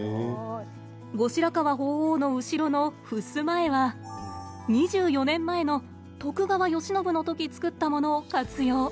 後白河法皇の後ろのふすま絵は２４年前の「徳川慶喜」の時作ったものを活用。